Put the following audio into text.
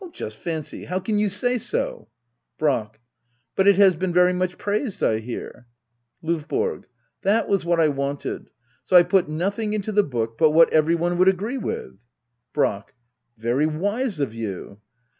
Just &ncy — ^how can you say so ? Brack. But it has been very much praised^ I hear. L&YBORO. That was what I wanted ; so I put nothing into the book but what every one would agree with. Brack. Very wise of you.